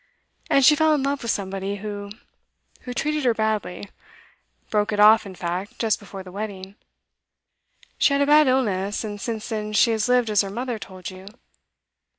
And she fell in love with somebody who who treated her badly; broke it off, in fact, just before the wedding. She had a bad illness, and since then she has lived as her mother told you.